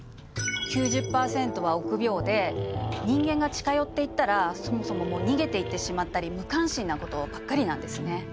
９０％は臆病で人間が近寄っていったらそもそも逃げていってしまったり無関心なことばっかりなんですね。